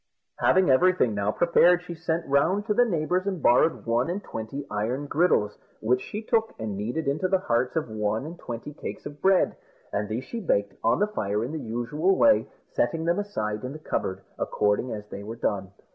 Having everything now prepared, she sent round to the neighbours and borrowed one and twenty iron griddles, which she took and kneaded into the hearts of one and twenty cakes of bread, and these she baked on the fire in the usual way, setting them aside in the cupboard according as they were done.